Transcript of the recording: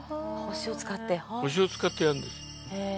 星を使ってやるんです。